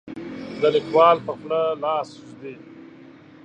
د لیکوال په خوله لاس ږدي.